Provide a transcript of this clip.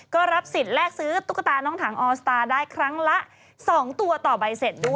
ก็รับสิทธิ์แลกซื้อตุ๊กตาน้องถังออสตาร์ได้ครั้งละ๒ตัวต่อใบเสร็จด้วย